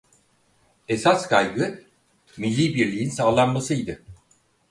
Esas kaygı milli birliğin sağlanmasıydı.